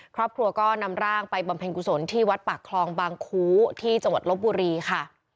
ครอบครัวก็นำร่างไปบำเพ็ญกุศลที่วัดปากคลองบางคูที่จังหวัดลบบุรีค่ะ